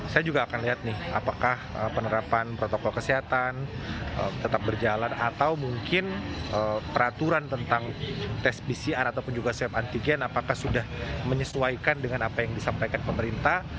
saya juga akan lihat nih apakah penerapan protokol kesehatan tetap berjalan atau mungkin peraturan tentang tes pcr ataupun juga swab antigen apakah sudah menyesuaikan dengan apa yang disampaikan pemerintah